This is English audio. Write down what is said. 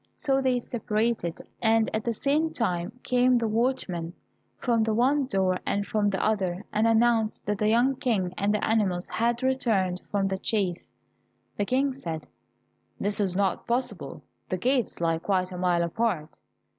So they separated, and at the same time came the watchmen from the one door and from the other, and announced that the young King and the animals had returned from the chase. The King said, "It is not possible, the gates lie quite a mile apart."